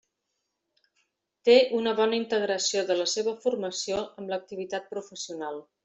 Té una bona integració de la seva formació amb l'activitat professional.